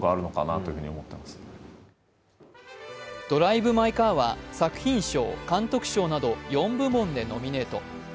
「ドライブ・マイ・カー」は作品賞、監督賞など４部門でノミネート。